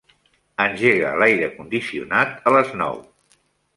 Engega l'aire condicionat a les nou.